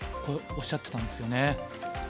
こうおっしゃってたんですよね。